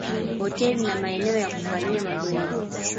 hoteli na maeneo ya kufanyia mazoezi